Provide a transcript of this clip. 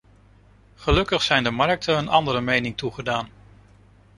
Gelukkig zijn de markten een andere mening toegedaan.